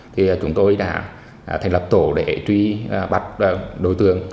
thì chúng tôi đã thành lập tổ để truy bắt đối tượng